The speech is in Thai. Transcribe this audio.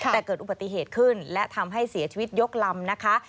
แต่เกิดอุบัติเหตุขึ้นและทำให้เสียชีวิตยกลำนะคะ